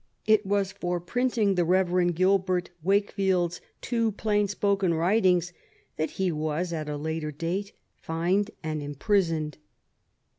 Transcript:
It was for printing the Bev. Gilbert Wakefield's too plain spoken writings that he waSj at a later date^ fined and imprisoned.